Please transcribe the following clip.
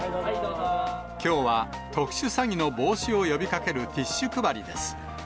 きょうは特殊詐欺の防止を呼びかけるティッシュ配りです。